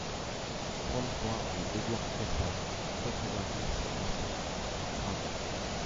trente-trois rue Édouard Frossard, quatre-vingt-dix, trois cents à Cravanche